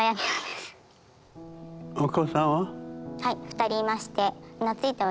お子さんは？